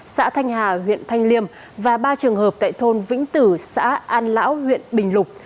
xã thanh hà huyện thanh liêm và ba trường hợp tại thôn vĩnh tử xã an lão huyện bình lục